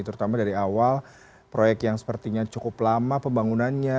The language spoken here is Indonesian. terutama dari awal proyek yang sepertinya cukup lama pembangunannya